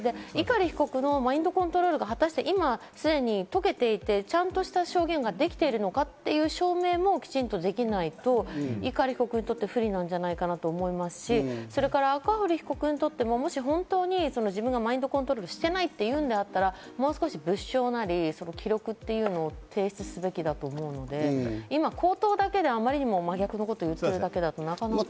碇被告のマインドコントロールが果たして今すでに解けていて、ちゃんとした証言ができているのかという証明もきちんとできないと碇被告にとって不利なんじゃないかと思いますし、それから赤堀被告にとってももし本当に自分がマインドコントロールをしてないっていうんだったら、もう少し物証なり、記録というのを提出すべきだと思うので、今、口頭だけであまりにも真逆のことを言ってるだけだと。